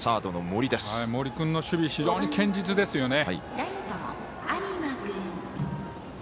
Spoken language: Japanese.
森君の守備非常に堅実ですよね。